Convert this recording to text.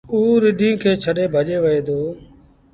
اوٚ رڍينٚ کي ڇڏي ڀڄي وهي دو۔